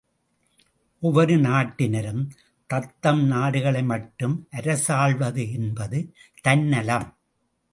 ஒவ்வொரு நாட்டினரும் தத்தம் நாடுகளை மட்டும் அரசாள்வது என்பது தன் நலம்!